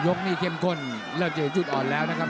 นี่เข้มข้นเริ่มจะเห็นจุดอ่อนแล้วนะครับ